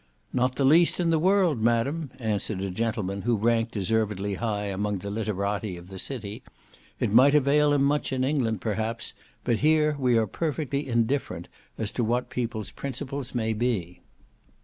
"Not the least in the world, madam," answered a gentleman who ranked deservedly high among the literati of the city, "it might avail him much in England, perhaps, but here we are perfectly indifferent as to what people's principles may be."